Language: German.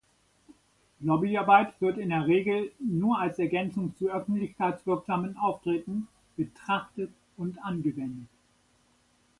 Lobbyarbeit wird in der Regel nur als Ergänzung zu öffentlichkeitswirksamen Auftritten betrachtet und angewendet.